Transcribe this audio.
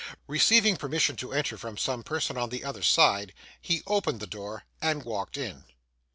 Receiving permission to enter, from some person on the other side, he opened the door and walked in.